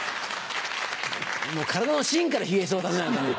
体のしんから冷えそうだね。